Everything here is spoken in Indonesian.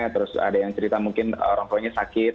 terus ada yang cerita mungkin orang tuanya sakit